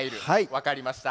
わかりました。